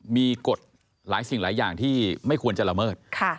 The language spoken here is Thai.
มีกฎหลายสิ่งหลายอย่างที่ไม่ควรจะละเมิด